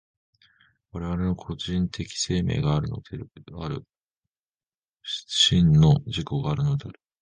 我々の個人的生命があるのである、真の自己があるのである。